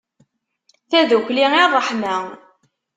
Tadukli i ṛṛeḥma.